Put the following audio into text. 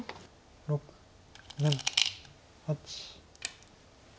６７８。